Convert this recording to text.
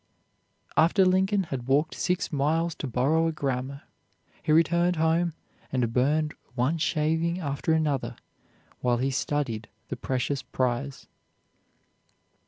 After Lincoln had walked six miles to borrow a grammar, he returned home and burned one shaving after another while he studied the precious prize.